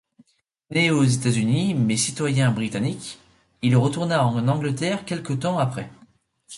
Né aux États-Unis mais citoyen britannique, il retourna en Angleterre quelque temps après.